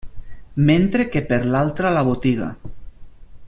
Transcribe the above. Mentre que per l'altra la botiga.